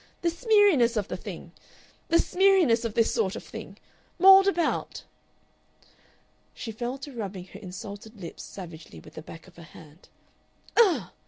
The smeariness of the thing! "The smeariness of this sort of thing!... Mauled about!" She fell to rubbing her insulted lips savagely with the back of her hand. "Ugh!"